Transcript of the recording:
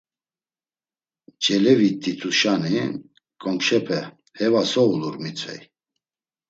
Celevit̆ituşani kongşepe; Heva so ulur, mitzvey.